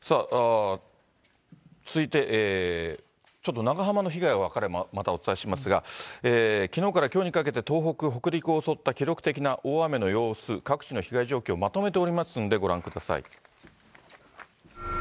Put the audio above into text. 続いて、ちょっと長浜の被害が分かれば、またお伝えしますが、きのうからきょうにかけて、東北、北陸を襲った記録的な大雨の様子、各地の被害状況、まとめておりますのでご覧ください。